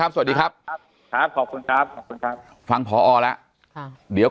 แต่คุณยายจะขอย้ายโรงเรียน